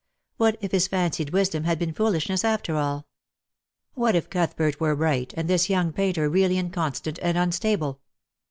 What if his fancied wisdom had been foolishness after all ? What if Cuthbert were right, and this young painter really inconstant and unstable